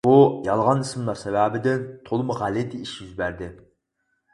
بۇ يالغان ئىسىملار سەۋەبىدىن تولىمۇ غەلىتە ئىش يۈز بەردى.